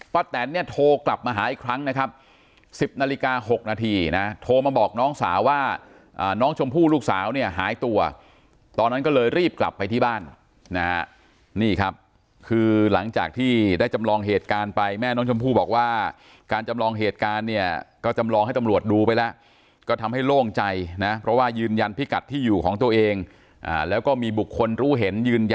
แตนเนี่ยโทรกลับมาหาอีกครั้งนะครับ๑๐นาฬิกา๖นาทีนะโทรมาบอกน้องสาวว่าน้องชมพู่ลูกสาวเนี่ยหายตัวตอนนั้นก็เลยรีบกลับไปที่บ้านนะฮะนี่ครับคือหลังจากที่ได้จำลองเหตุการณ์ไปแม่น้องชมพู่บอกว่าการจำลองเหตุการณ์เนี่ยก็จำลองให้ตำรวจดูไปแล้วก็ทำให้โล่งใจนะเพราะว่ายืนยันพิกัดที่อยู่ของตัวเองแล้วก็มีบุคคลรู้เห็นยืนย